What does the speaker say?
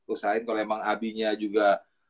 usahain kalau emang abinya juga